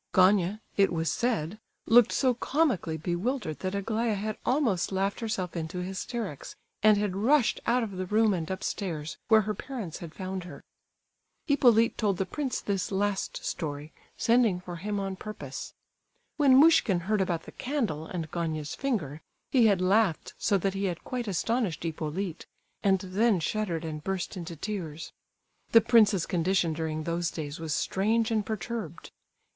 Gania—it was said—looked so comically bewildered that Aglaya had almost laughed herself into hysterics, and had rushed out of the room and upstairs,—where her parents had found her. Hippolyte told the prince this last story, sending for him on purpose. When Muishkin heard about the candle and Gania's finger he had laughed so that he had quite astonished Hippolyte,—and then shuddered and burst into tears. The prince's condition during those days was strange and perturbed.